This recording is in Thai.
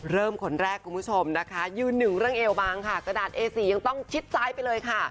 เริ่มคนแรกคุณผู้ชมนะคะยืนหนึ่งร่างเอวบางค่ะกระดาษเอ๋๔ยังต้องชิดไซด์ไปเลย